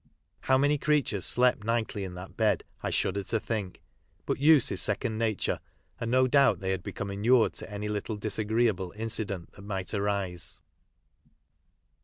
I low manv creatures slept nightly in that bed I shuddered to think, but use is second nature, and no doubt they had become inured to any little disagreeable inci dent that might arise.